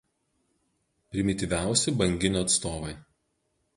Primityviausi banginių atstovai.